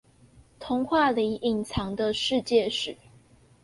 童話裡隱藏的世界史